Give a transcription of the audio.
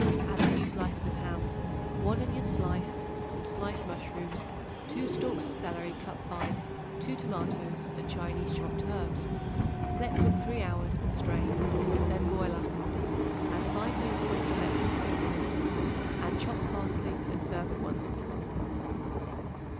Add a few slices of ham, 1 onion sliced, some sliced mushrooms, 2 stalks of celery cut fine, 2 tomatoes and Chinese chopped herbs. Let cook three hours and strain; then boil up; add fine noodles and let cook ten minutes. Add chopped parsley and serve at once.